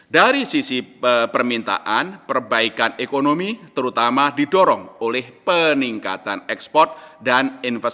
dari sisi permintaan perbaikan ekonomi terutama didorong oleh peningkatan ekspor dan investasi